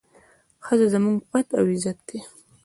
ښځه زموږ پت او عزت دی.